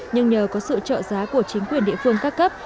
nhưng nhờ có sự trợ giá của chính quyền địa phương các cấp